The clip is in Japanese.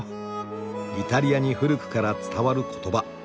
イタリアに古くから伝わる言葉。